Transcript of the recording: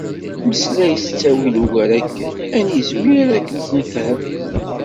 Meslay s ttawil ugar akken ad nizmir ad k-d-nefhem.